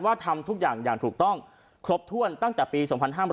ทำทุกอย่างอย่างถูกต้องครบถ้วนตั้งแต่ปี๒๕๕๘